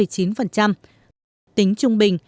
tính trung bình